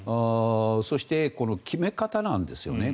そして、決め方なんですよね